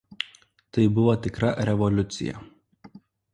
Tai buvo tikra revoliucija.